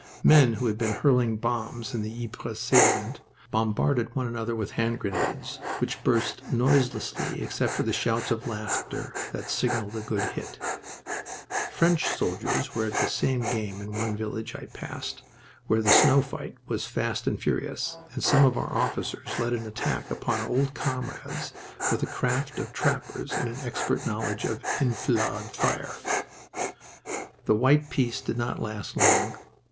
Men who had been hurling bombs in the Ypres salient bombarded one another with hand grenades, which burst noiselessly except for the shouts of laughter that signaled a good hit. French soldiers were at the same game in one village I passed, where the snow fight was fast and furious, and some of our officers led an attack upon old comrades with the craft of trappers and an expert knowledge of enfilade fire. The white peace did not last long.